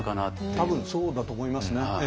多分そうだと思いますね。